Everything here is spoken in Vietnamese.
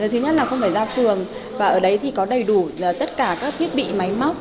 thứ nhất là không phải ra phường và ở đấy thì có đầy đủ tất cả các thiết bị máy móc